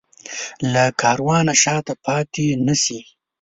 له کاروانه شاته پاتې نه شي.